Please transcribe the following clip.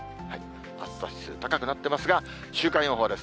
暑さ指数高くなってますが、週間予報です。